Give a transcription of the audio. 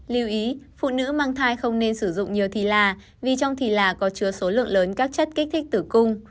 lưu ý phụ nữ mang thai không nên sử dụng nhiều thì là vì trong thì là có chứa số lượng lớn các chất kích thích tử cung